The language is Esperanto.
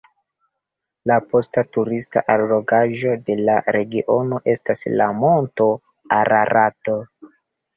La ĉefa turista allogaĵo de la regiono estas la monto Ararato.